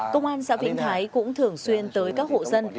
công an xã vĩnh thái cũng thường xuyên tới các hộ dân